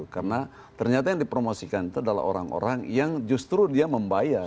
karena ternyata yang dipromosikan itu adalah orang orang yang justru dia membayar